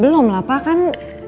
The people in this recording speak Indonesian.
belom lah papa kan